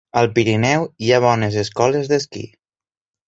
Al Pirineu hi ha bones escoles d'esquí.